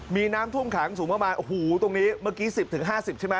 มีน้ำท่วมขังสูงประมาณโอ้โหตรงนี้เมื่อกี้๑๐๕๐ใช่ไหม